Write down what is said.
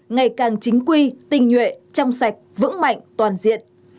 ngày càng chính quy tinh nhuệ trong sạch vững mạnh toàn diện